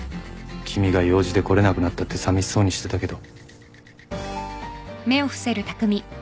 君が用事で来れなくなったってさみしそうにしてたけど。